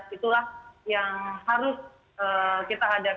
kita hadapi bahwa mereka minta evakuasi seperti itu